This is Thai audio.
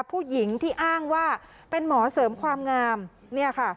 ผู้หญิงที่อ้างว่าเป็นหมอเสริมความงามเนี่ยค่ะ